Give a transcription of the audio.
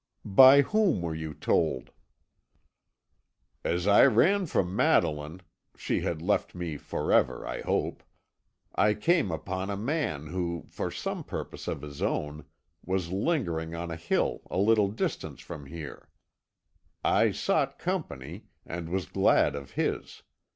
"By whom were you told?" "As I ran from Madeline she has left me forever, I hope I came upon a man who, for some purpose of his own, was lingering on a hill a little distance from here. I sought company, and was glad of his.